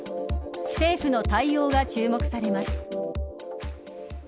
政府の対応が注目されます。